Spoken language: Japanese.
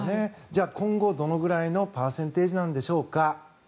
じゃあ今後、どのくらいのパーセンテージなんでしょうか。